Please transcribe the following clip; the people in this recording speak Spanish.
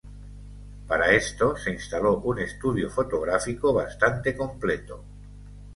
Para esto se instaló un estudio fotográfico bastante completo.